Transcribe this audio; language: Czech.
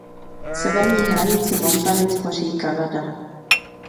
Severní hranici Montany tvoří Kanada.